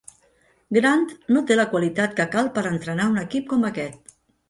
Grant no té la qualitat que cal per entrenar un equip com aquest.